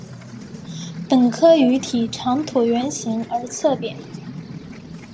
本科鱼体长椭圆形而侧扁。